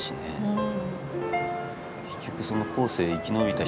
うん。